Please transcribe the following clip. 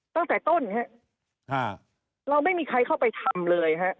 ตั้งแต่ต้นฮะเราไม่มีใครเข้าไปทำเลยฮะ